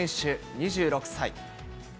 ２６歳。